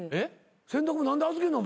洗濯物何で預けんの？